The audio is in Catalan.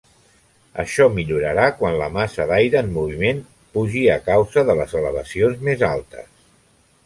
Això millorarà quan la massa d'aire en moviment pugi a causa de les elevacions més altes.